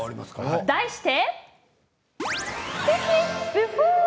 題して。